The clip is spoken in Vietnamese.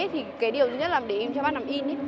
thì cái điều thứ nhất là để im cho bác nằm in